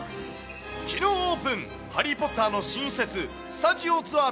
きのうオープン、ハリー・ポッターの新施設、スタジオツアー